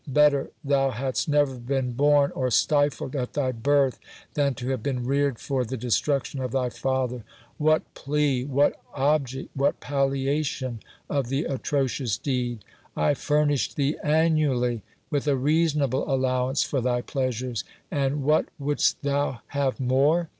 better thou hadst never been born, or stifled at thy birth, than to have been reared for the destruction of thy father ! What plea, what object, what palliation of the atrocious deed? I furnished scipias STORY. thee annually with a reasonable allowance for thy pleasures, and what wouldst thou have more